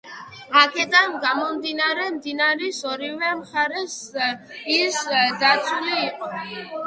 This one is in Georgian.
აქედან გამომდინარე, მდინარის ორივე მხარეს ის დაცული იყო.